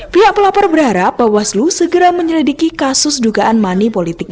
pihak pelapor berharap bahwa slu segera menyelidiki kasus dugaan mani politiknya